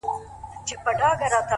هره ستونزه د بدلون اړتیا ښيي